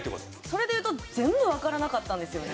それで言うと全部わからなかったんですよね。